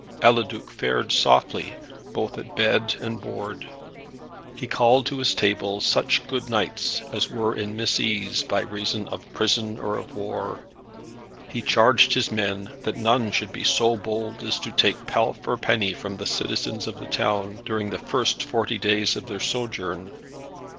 Eliduc fared softly, both at bed and board. He called to his table such good knights as were in misease, by reason of prison or of war. He charged his men that none should be so bold as to take pelf or penny from the citizens of the town, during the first forty days of their sojourn.